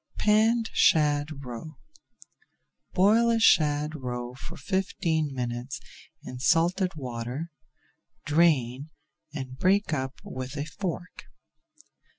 PANNED SHAD ROE Boil a shad roe for fifteen minutes in salted water, drain, and break up with a fork.